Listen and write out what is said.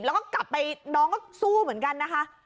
แล้วก็กลับไปน้องก็สู้เหมือนกันนะคะ